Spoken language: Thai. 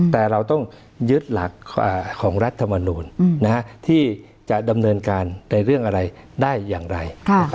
แต่เราต้องยึดหลักของรัฐมนูลที่จะดำเนินการในเรื่องอะไรได้อย่างไร